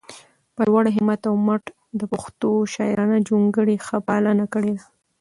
په لوړ همت او مټ د پښتو شاعرانه جونګړې ښه پالنه کړي ده